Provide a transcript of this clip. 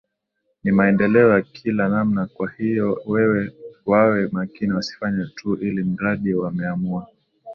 ni maendeleo ya kila namna kwa hiyo wawe makini wasifanye tu ili mradi wameamua